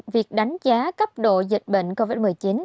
việc đánh giá cấp độ dịch bệnh covid một mươi chín